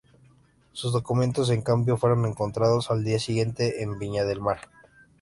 Sus documentos, en cambio, fueron encontrados al día siguiente en Viña del Mar.